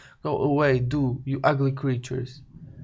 Go away, do, you ugly creatures!"